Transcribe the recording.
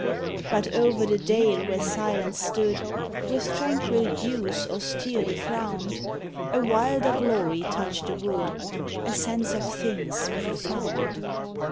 But o'er the dale where Silence stood, With tranquil dews austerely crowned, A wilder glory touched the wood, — A sense of things profound.